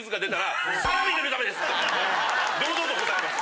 堂々と答えます。